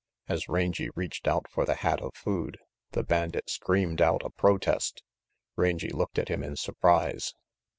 As Rangy reached out for the hat of food, the bandit screamed out a protest. Rangy looked at him in surprise.